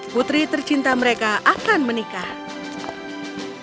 putri tercinta mereka akan menikah